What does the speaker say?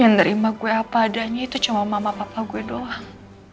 yang nerima gue apa adanya itu cuma mama papa gue doang